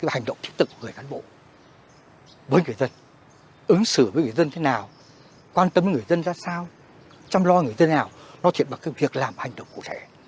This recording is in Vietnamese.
hành động thiết thực của người cán bộ với người dân ứng xử với người dân thế nào quan tâm người dân ra sao chăm lo người dân nào nói chuyện bằng việc làm hành động cụ thể